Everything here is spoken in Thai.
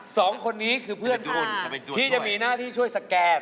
สองคนนี้คือเพื่อนคุณที่จะมีหน้าที่ช่วยสแกน